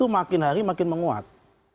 makin hari makin menguat